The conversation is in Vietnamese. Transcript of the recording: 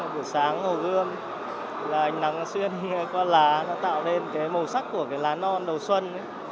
buổi sáng hồ gươm là ánh nắng xuyên qua lá nó tạo nên cái màu sắc của cái lá non đầu xuân ấy